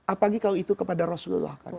apalagi kalau itu kepada rasulullah kan